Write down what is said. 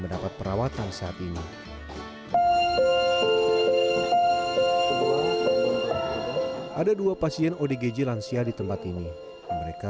doyan makan ayam nenek